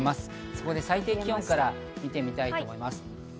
そこで最低気温から見てみたいと思います。